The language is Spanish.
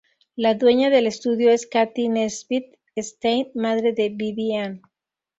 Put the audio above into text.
La dueña del estudio es Cathy Nesbitt-Stein, madre de Vivi-Anne.